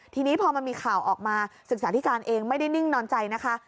ทีนี้พอมันมีข่าวออกมาศึกษาธิการเองไม่ได้นิ่งนอนใจนะคะ